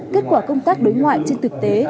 kết quả công tác đối ngoại trên thực tế